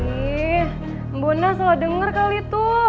ih mbona salah denger kali itu